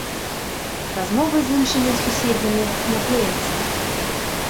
Размовы з іншымі суседзямі не клеяцца.